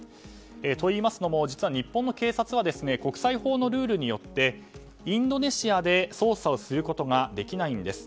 といいますのも実は日本の警察は国際法のルールによってインドネシアで捜査をすることができないんです。